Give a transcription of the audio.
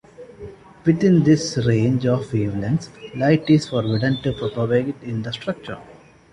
Within this range of wavelengths, light is "forbidden" to propagate in the structure.